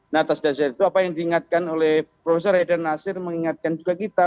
nah atas dasarnya itu apa yang diingatkan oleh profesor haidar nasir mengingatkan juga kita